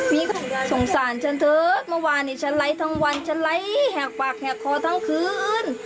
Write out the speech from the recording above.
มีสงสารฉันเถอะเมื่อวานนี้ฉันไลค์ทั้งวันฉันไร้แหกปากแหกคอทั้งคืน